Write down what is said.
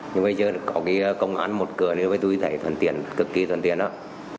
nhưng bây giờ có cái công an một cửa tôi thấy thân thiện cực kỳ thân thiện đó